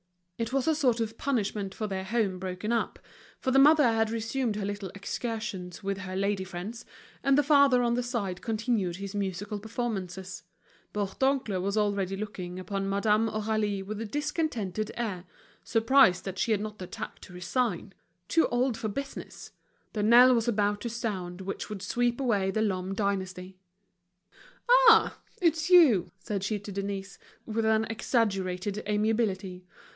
It was a sort of punishment for their home broken up, for the mother had resumed her little excursions with her lady friends, and the father on his side continued his musical performances. Bourdoncle was already looking upon Madame Aurélie with a discontented air, surprised that she had not the tact to resign; too old for business! the knell was about to sound which would sweep away the Lhomme dynasty. "Ah! it's you," said she to Denise, with an exaggerated amiability.